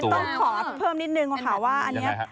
ต้องขอเพิ่มนิดนึงค่ะว่าอันนี้